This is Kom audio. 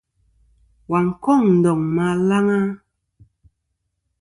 Wà n-kôŋ ndòŋ ma alaŋ a?